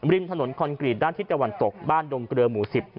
ริมถนนคอนกรีตด้านทิศตะวันตกบ้านดงเกลือหมู่๑๐